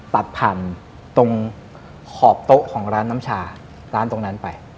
ตัดผ่านตรงขอบโต๊ะของร้านน้ำชาร้านตรงนั้นไป